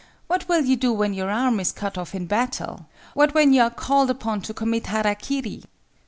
What will you do when your arm is cut off in battle? What when you are called upon to commit harakiri?"